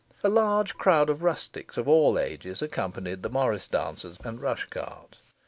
A large crowd of rustics, of all ages, accompanied the morris dancers and rush cart.